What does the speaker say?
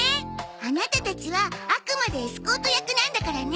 アナタたちはあくまでエスコート役なんだからね！